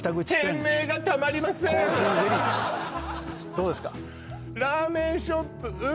どうですか？